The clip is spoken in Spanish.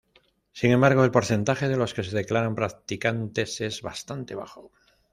Sin embargo, el porcentaje de los que se declaran practicantes es bastante bajo.